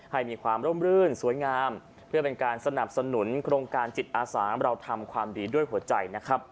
ให้มีความร่มรื่นสวยงามเพื่อเป็นการสนับสนุนโครงการจิตอาสาเราทำความดีด้วยหัวใจนะครับ